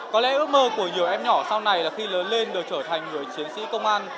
có lẽ ước mơ của nhiều em nhỏ sau này là khi lớn lên được trở thành người chiến sĩ công an